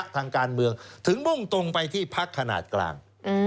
ถึงมุ่งตรงไปที่พักขนาดกลาง